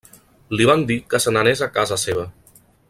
Li van dir que se n'anés a casa seva.